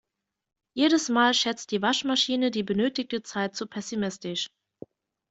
Jedes Mal schätzt die Waschmaschine die benötigte Zeit zu pessimistisch.